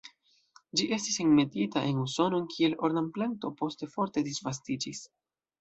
Ĝi estis enmetita en Usonon kiel ornamplanto, poste forte disvastiĝis.